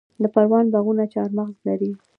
د پروان باغونه چهارمغز لري.